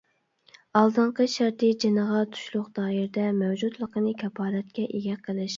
ئالدىنقى شەرتى جىنىغا تۇشلۇق دائىرىدە مەۋجۇتلۇقىنى كاپالەتكە ئىگە قىلىش.